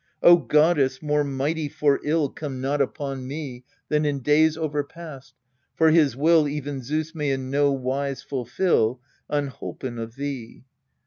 O goddess, more mighty for ill Come not upon me Than in days overpast : for his will Even Zeus may in no wise fulfil Unholpen of thee.